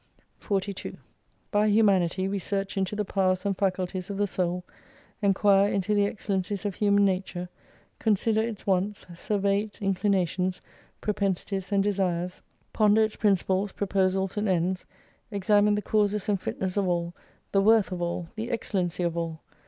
42 By humanity we search into the powers and faculties of the Soul, enquire into the excellencies of human nature, consider its wants, survey its inclinations, propensities and desires, ponder its principles, proposals, and ends, examine the causes and fitness of all, the worth of all, the excellency of all.